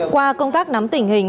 qua công tác nắm tình hình